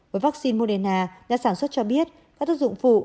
với vắc xin moderna nhà sản xuất cho biết các tác dụng phụ